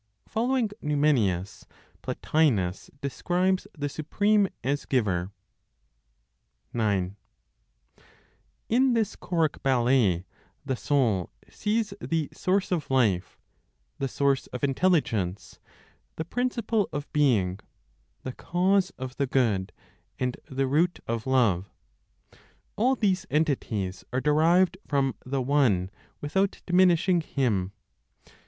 FOLLOWING NUMENIUS, PLOTINOS DESCRIBES THE SUPREME AS GIVER. 9. In this choric ballet, the soul sees the source of life, the source of intelligence, the principle of being, the cause of the good, and the root of love. All these entities are derived from the One without diminishing Him.